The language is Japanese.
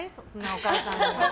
お母さんの。